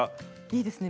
いいですね